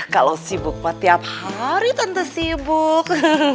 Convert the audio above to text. kalau sibuk tiap hari tante sibuk